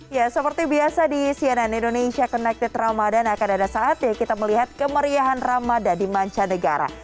ya seperti biasa di cnn indonesia connected ramadan akan ada saat ya kita melihat kemeriahan ramadan di manca negara